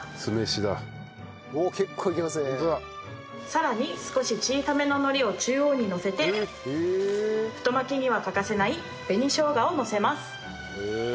さらに少し小さめの海苔を中央にのせて太巻きには欠かせない紅生姜をのせます。